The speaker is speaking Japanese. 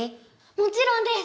もちろんです！